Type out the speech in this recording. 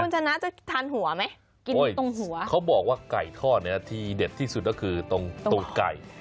คุณชนะจะทานหัวไหมกินตรงหัวเขาบอกว่าไก่ทอดเนี้ยที่เด็ดที่สุดก็คือตรงตัวไก่